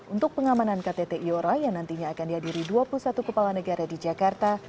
untuk pengamanan ktt iora yang nantinya akan dihadiri dua puluh satu kepala negara di jakarta